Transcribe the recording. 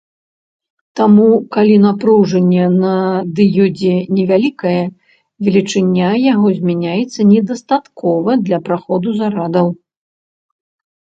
Таму, калі напружанне на дыёдзе невялікае, велічыня яго змяняецца недастаткова для праходу зарадаў.